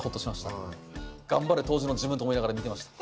頑張れ当時の自分と思いながら見てました。